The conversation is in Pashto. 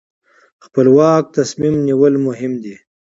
خپلواک تصمیم نیول مهم دي.